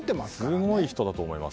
すごい人だと思います。